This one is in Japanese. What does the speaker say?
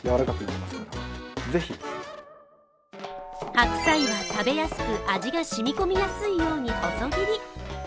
白菜は食べやすく味が染み込みやすいように細切り。